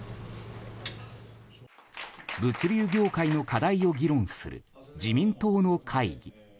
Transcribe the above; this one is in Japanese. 物流業界の課題を議論する自民党の会議。